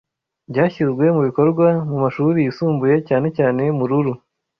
byashyizwe mubikorwa mumashuri yisumbuye cyane cyane Mururu